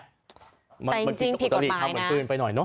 แต่จริงผิดกฎหมายนะ